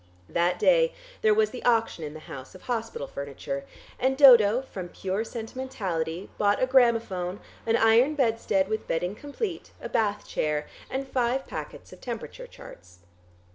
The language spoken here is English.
That day there was the auction in the house of hospital furniture, and Dodo from pure sentimentality bought a gramophone, an iron bedstead with bedding complete, a bath chair and five packets of temperature charts.